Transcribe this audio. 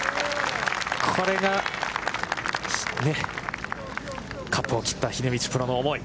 これがカップを切った秀道プロの思い。